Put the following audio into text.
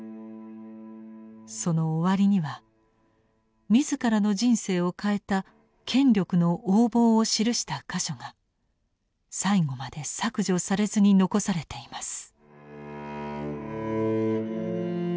その終わりには自らの人生を変えた権力の横暴を記した箇所が最後まで削除されずに残されています。